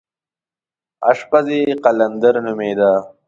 اشپز یې قلندر نومېده.